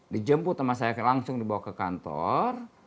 dijemput sama saya langsung dibawa ke kantor